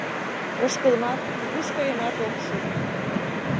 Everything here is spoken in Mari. Ошкылмат, нигуш кайымат ок шу.